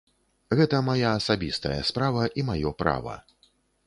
Гэта мая асабістая справа і маё права.